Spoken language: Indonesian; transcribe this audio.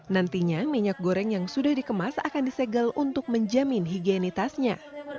nantinya minyak goreng yang sudah dikemas akan disegel untuk menjamin higienitasnya